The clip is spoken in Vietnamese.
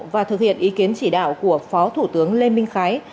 và thực hiện ý kiến chỉ đạo của phó thủ tướng lê minh khái